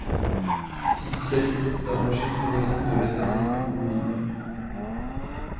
Il s'alite dans le château voisin de Laversine où il meurt.